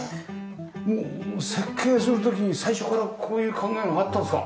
もう設計する時に最初からこういう考えがあったんですか？